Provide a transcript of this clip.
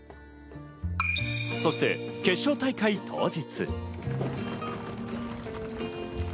そして決勝大会当日。